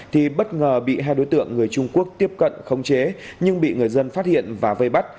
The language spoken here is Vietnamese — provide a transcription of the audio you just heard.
thì bất ngờ bị hai đối tượng người trung quốc tiếp cận khống chế nhưng bị người dân phát hiện và vây bắt